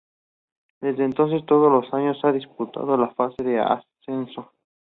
Desde entonces, todos los años ha disputado la Fase de Ascenso.